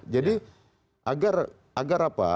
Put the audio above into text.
jadi agar apa